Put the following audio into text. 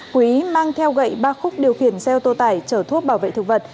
quý mang theo gậy ba khúc điều khiển xe ô tô tải chở thuốc bảo vệ thực vật